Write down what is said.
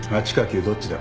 どっちだ？